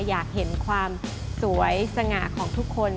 อยากเห็นความสวยสง่าของทุกคน